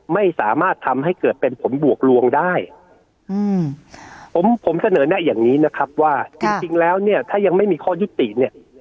ไม่สามารถทำให้เกิดเป็นผลบวกลวงได้อืมผมผมเสนอแนะอย่างนี้นะครับว่าจริงจริงแล้วเนี่ยถ้ายังไม่มีข้อยุติเนี่ย